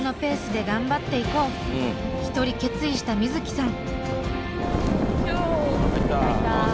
一人決意した瑞樹さん。